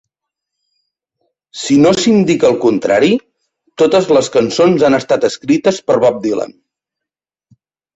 Si no s'indica el contrari, totes les cançons han estat escrites per Bob Dylan.